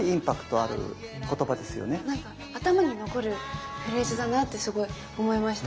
なんか頭に残るフレーズだなってすごい思いました。